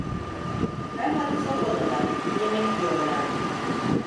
Herhalde sofadalar, yemek yiyorlardır!